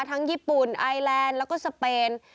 ญี่ปุ่นไอแลนด์แล้วก็สเปน